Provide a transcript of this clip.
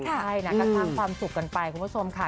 ใช่นะก็สร้างความสุขกันไปคุณผู้ชมค่ะ